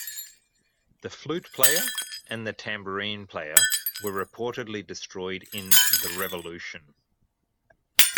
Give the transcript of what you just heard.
The flute player and the tambourine player were reportedly destroyed in the Revolution.